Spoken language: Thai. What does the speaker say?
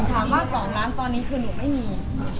ถามว่า๒ล้านตอนนี้คือหนูไม่มี